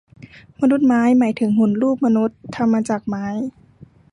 มนุษย์ไม้ หมายถึงหุ่นรูปมนุษย์ทำมาจากไม้